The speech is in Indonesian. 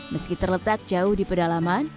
meski terletak jauh di pedalaman